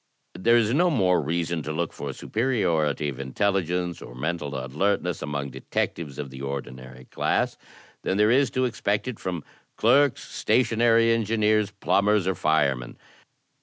"There is no more reason to look for superiority of intel ligence or mental alertness among detectives of the ordinary class than there is to expect it from clerks, stationary engi neers, plumbers, or firemen.